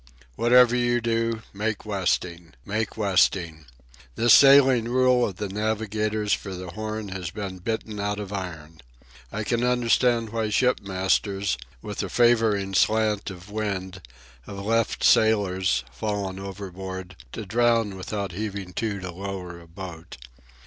Whatever you do, make westing! make westing!—this sailing rule of the navigators for the Horn has been bitten out of iron. I can understand why shipmasters, with a favouring slant of wind, have left sailors, fallen overboard, to drown without heaving to to lower a boat.